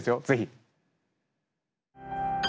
ぜひ。